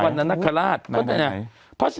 สวัสดีครับคุณผู้ชม